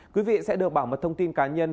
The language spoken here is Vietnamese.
quý vị sẽ được bảo mật thông tin cá nhân